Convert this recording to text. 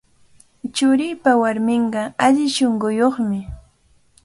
Churiipa warminqa alli shunquyuqmi.